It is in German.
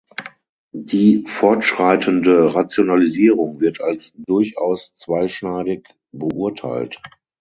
Die fortschreitende Rationalisierung wird als durchaus zweischneidig beurteilt.